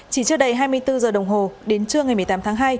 chỉ trước đây hai mươi bốn h đồng hồ đến trưa ngày một mươi tám tháng hai